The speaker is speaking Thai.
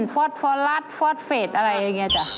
ฟอัสฟอฟอฬาสฟอฟเฟสอะไรอย่างนี้จ๊ะ